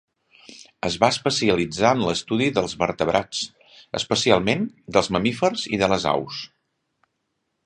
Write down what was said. Es va especialitzar en l'estudi dels vertebrats, especialment dels mamífers i de les aus.